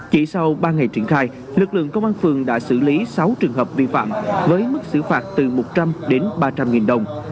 chỉ sau ba ngày triển khai lực lượng công an phường đã xử lý sáu trường hợp vi phạm với mức xử phạt từ một trăm linh đến ba trăm linh nghìn đồng